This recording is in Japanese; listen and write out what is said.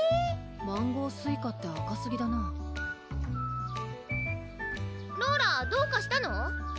マンゴースイカって赤すぎだなローラどうかしたの？